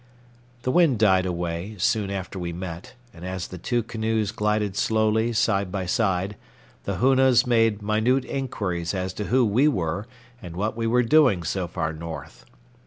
The wind died away soon after we met, and as the two canoes glided slowly side by side, the Hoonas made minute inquiries as to who we were and what we were doing so far north.